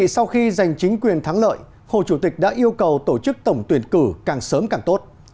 sau khi giành chính quyền thắng lợi hồ chủ tịch đã yêu cầu tổ chức tổng tuyển cử càng sớm càng tốt